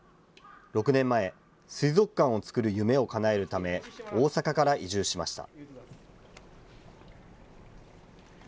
６年前、水族館を作る夢をかなえるため、大阪から移住しました。